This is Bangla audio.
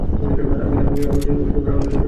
আমি রাহুলের সবচেয়ে ভালো বন্ধু।